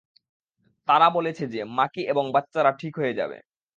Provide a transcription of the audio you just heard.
তারা বলেছে যে মাকি এবং বাচ্চারা ঠিক হয়ে যাবে।